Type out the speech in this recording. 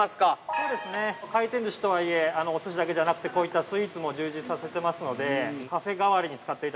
そうですね回転寿司とはいえお寿司だけじゃなくてこういったスイーツも充実させていますので。